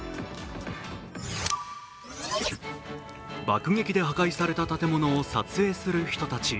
爆撃で破壊された建物を撮影する人たち。